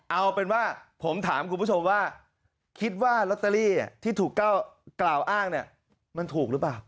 เอาเป็นว่าผมถามคุณผู้ชมว่าคิดว่าลอตเตอรี่ที่ถูกกล่าวอ้างเนี่ยมันถูกหรือเปล่า